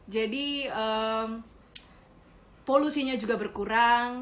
jadi polusinya juga berkurang